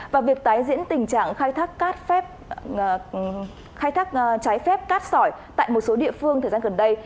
và việc tái diễn tình trạng khai thác trái phép cát sỏi tại một số địa phương thời gian gần đây